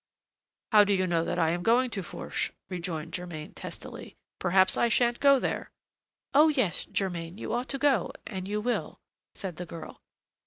"How do you know that I am going to Fourche?" rejoined Germain testily. "Perhaps I shan't go there." "Oh! yes, Germain, you ought to go, and you will," said the girl.